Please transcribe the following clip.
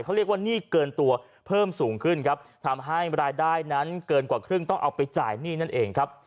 เขาเรียกว่าหนี้เกินตัวเพิ่มสูงขึ้นครับทำให้รายได้นั้นเกินกว่าครึ่งต้องเอาไปจ่ายหนี้นั่นเองครับ